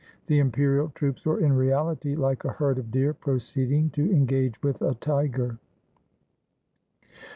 The imperial troops were in reality like a herd of deer proceeding to engage with a tiger.